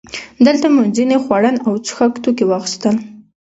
دلته مو ځینې خوړن او څښاک توکي واخیستل.